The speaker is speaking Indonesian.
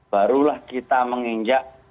barulah kita menginjak